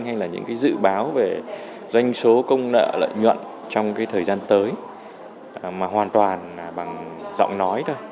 hay là những cái dự báo về doanh số công nợ lợi nhuận trong cái thời gian tới mà hoàn toàn bằng giọng nói thôi